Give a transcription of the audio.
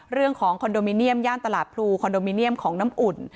คอนโดมิเนียมย่านตลาดพลูคอนโดมิเนียมของน้ำอุ่น